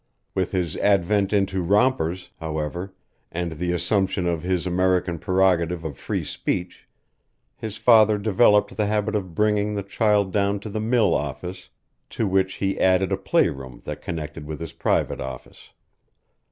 With his advent into rompers, however, and the assumption of his American prerogative of free speech, his father developed the habit of bringing the child down to the mill office, to which he added a playroom that connected with his private office.